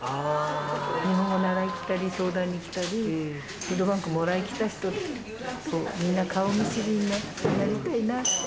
日本語習いに来たり、相談に来たり、フードバンクもらいに来た人と、みんな顔見知りになりたいなって。